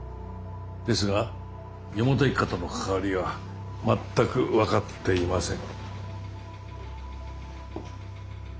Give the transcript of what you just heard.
ですが四方田一家との関わりは全く分かっていません。